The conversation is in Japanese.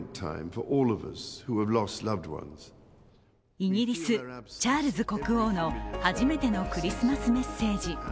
イギリス・チャールズ国王の初めてのクリスマスメッセージ。